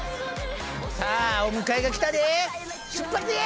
さあお迎えが来たで。